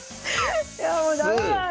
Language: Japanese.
いやあもう駄目だ。